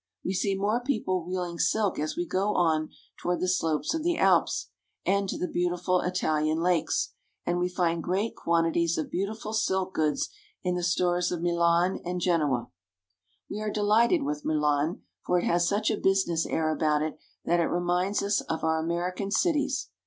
We see more people reeling silk as we go on toward the slopes of the Alps, and to the beautiful Italian lakes, and we find great quantities of beautiful silk goods in the stores of Milan and Genoa. Milan Cathedral. We are delighted with Milan, for it has such a business air about it that it reminds us of our American cities.